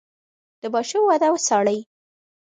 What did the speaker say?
د ماشوم وده وڅارئ.